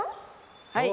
はい。